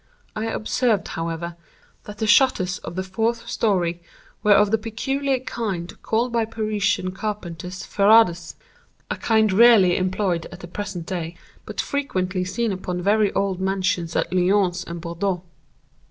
I observed, however, that the shutters of the fourth story were of the peculiar kind called by Parisian carpenters ferrades—a kind rarely employed at the present day, but frequently seen upon very old mansions at Lyons and Bordeaux.